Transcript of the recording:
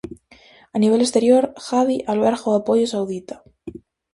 A nivel exterior, Hadi alberga o apoio saudita.